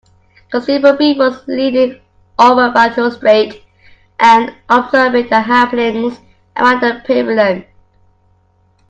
Constable Beaver was leaning over the balustrade and observing the happenings around the pavilion.